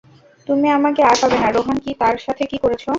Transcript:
তুমি আমাকে আর পাবে না রোহান কি তার সাথে কি করেছ?